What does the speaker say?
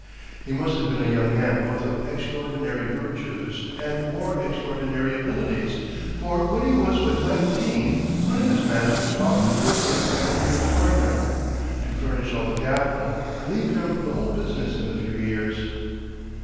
He must have been a young man both of extraordinary virtues and more extraordinary abilities; for when he was but nineteen, one of his masters offered to take him as an equal partner, to furnish all the capital, and leave him the whole business in a few years.